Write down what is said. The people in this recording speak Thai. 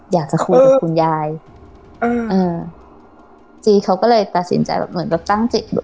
อยากจะคุยกับคุณยายอืมเออจีเขาก็เลยตัดสินใจแบบเหมือนแบบตั้งจิตอยู่